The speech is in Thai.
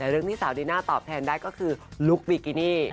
แต่เรื่องที่สาวดีน่าตอบแทนได้ก็คือลุคบิกินี่